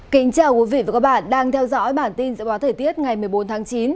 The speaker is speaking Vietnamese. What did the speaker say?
kính chào quý vị và các bạn đang theo dõi bản tin dự báo thời tiết ngày một mươi bốn tháng chín